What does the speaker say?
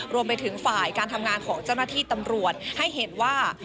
รวมไปถึงฝ่ายการทำงานของเจ้าหน้าที่ตำรวจให้เห็นว่า